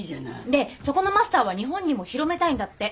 でそこのマスターは日本にも広めたいんだって。